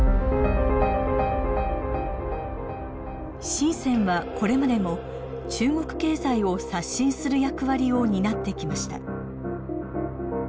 深はこれまでも中国経済を刷新する役割を担ってきました。